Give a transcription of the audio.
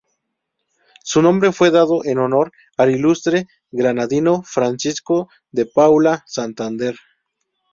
Su nombre fue dado en honor al ilustre granadino Francisco de Paula Santander.